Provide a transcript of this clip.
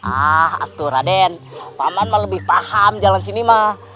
ah atur raden paman mah lebih paham jalan sini mah